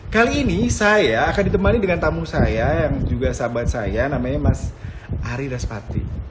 kali ini saya akan ditemani dengan tamu saya yang juga sahabat saya namanya mas ari daspati